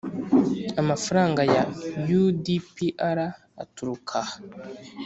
Amafaranga ya U D P R aturuka aha